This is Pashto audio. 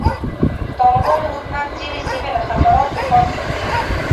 د طالبانو حکومت ځینې سیمې له خطراتو پاکې کړې.